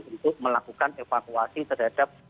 untuk melakukan evakuasi terhadap